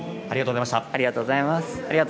ありがとうございます。